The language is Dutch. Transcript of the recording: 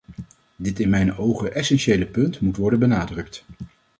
Dit in mijn ogen essentiële punt moet worden benadrukt.